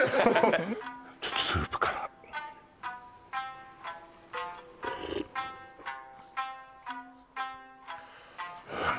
ちょっとスープからあ